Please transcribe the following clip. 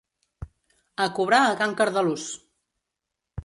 A cobrar a can Cardelús!